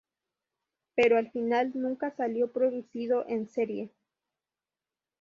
Pero al final nunca salió producido en serie.